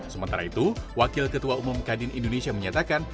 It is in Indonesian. sementara itu wakil ketua umum kadin indonesia menyatakan